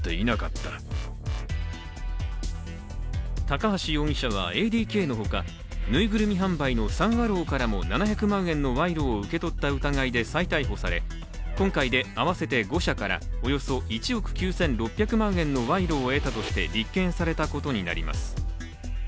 高橋容疑者はＡＤＫの他、縫いぐるみ販売のサン・アローからも７００万円の賄賂を受け取った疑いで再逮捕され今回で合わせて５社から、およそ１億９６００万円の賄賂を得たとして立件されたことになります。